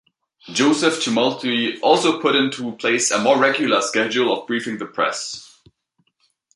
Joseph Tumulty also put into place a more regular schedule of briefing the press.